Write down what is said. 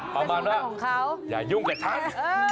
ประมาณว่าอย่ายุ่งกับฉัน